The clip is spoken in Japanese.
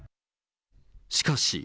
しかし。